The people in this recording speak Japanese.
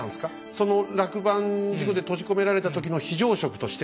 その落盤事故で閉じ込められた時の非常食として。